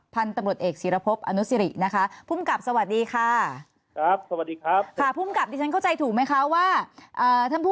เพิ่งจะมาต้นปีนี้เปล่าคะ